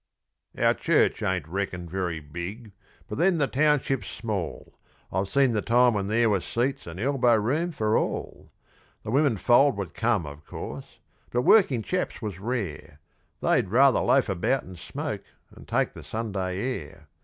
_) Our church ain't reckoned very big, but then the township's small I've seen the time when there was seats and elbow room for all. The women fold would come, of course, but working chaps was rare; They'd rather loaf about and smoke, and take the Sunday air.